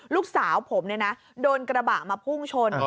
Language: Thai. ลูกสาวผมโดนกระบะมาพุ่งชน